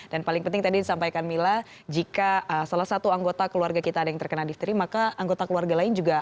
dan paling penting tadi disampaikan mila jika salah satu anggota keluarga kita ada yang terkena difteri maka anggota keluarga lain juga